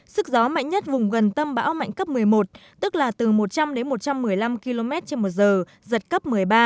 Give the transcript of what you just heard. sức gió mạnh nhất vùng gần tâm bão mạnh cấp một mươi một tức là từ một trăm linh đến một trăm một mươi năm km trên một giờ giật cấp một mươi ba